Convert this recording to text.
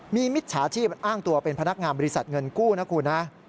มีมิจฉาชีพอ้างตัวเป็นพนักงานบริษัทเงินกู้นะคุณนะ